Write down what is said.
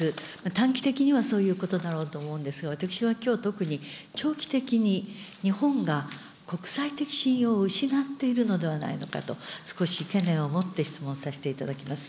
短期的にはそういうことだろうと思うんですが、私はきょう特に、長期的に日本が国際的信用を失っているのではないのかと、少し懸念を持って質問させていただきます。